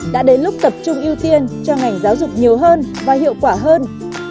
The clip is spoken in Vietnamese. hãy tập trung ưu tiên cho ngành giáo dục nhiều hơn và hiệu quả hơn